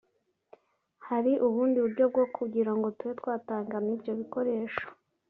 hari ubundi buryo bwo kugira ngo tube twatanga n’ ibyo bikoresho